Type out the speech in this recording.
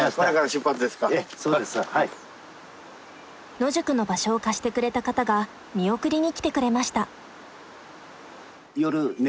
野宿の場所を貸してくれた方が見送りに来てくれました。